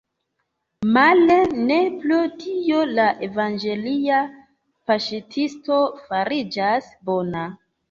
Male, ne pro tio la evangelia paŝtisto fariĝas bona.